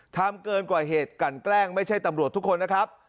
ทำเกินกว่าเหตุกันแกล้งไม่ใช่ตำรวจทุกคนนะครับ